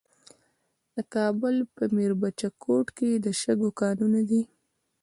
د کابل په میربچه کوټ کې د شګو کانونه دي.